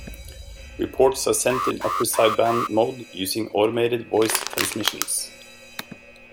Reports are sent in upper sideband mode, using automated voice transmissions.